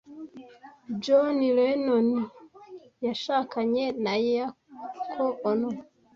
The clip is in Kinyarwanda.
John Lenon yashakanye na Yoko Ono